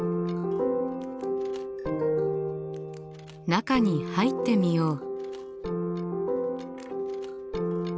中に入ってみよう。